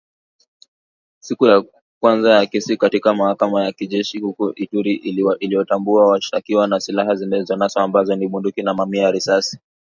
Siku ya kwanza ya kesi katika mahakama ya kijeshi huko Ituri iliwatambua washtakiwa na silaha zilizonaswa ambazo ni bunduki na mamia ya risasi.